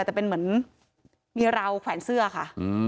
แต่เป็นเหมือนเมียเราแขวนเสื้อค่ะ